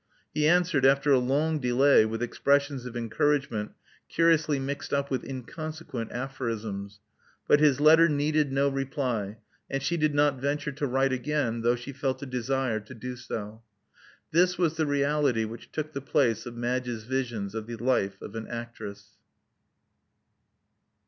He answpred, after a long delay, with expressions of encouragement curiously mixed up with inconsequent aphorisms; but his letter needed no reply, and she did not venture to write again, though she felt a desire to do so. This was the reality which took the place of Madge's visions of the life of an actress.